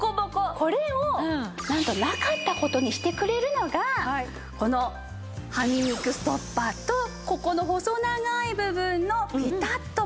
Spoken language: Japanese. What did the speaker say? これをなんとなかった事にしてくれるのがこのはみ肉ストッパーとここの細長い部分のピタッとパネル。